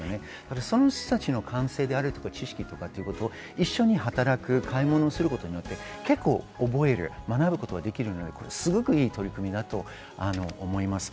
その人たちの感性とか知識を、一緒に働く、買い物をすることで、結構覚える、学ぶことができるのはすごく良い取り組みだと思います。